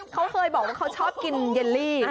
เขาเคยบอกว่าเขาชอบกินเยลลี่